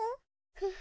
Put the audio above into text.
フフ。